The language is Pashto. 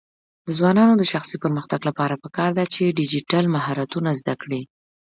د ځوانانو د شخصي پرمختګ لپاره پکار ده چې ډیجیټل مهارتونه زده کړي.